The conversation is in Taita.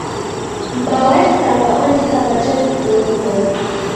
M'baa wa isanga oandika w'aja w'ifulo w'ughoma.